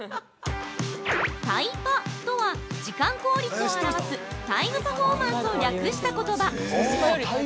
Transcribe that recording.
◆タイパとは、時間効率を表すタイムパフォーマンスを略した言葉。